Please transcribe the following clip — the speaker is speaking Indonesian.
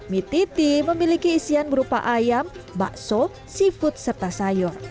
mie titi memiliki isian berupa ayam bakso seafood serta sayur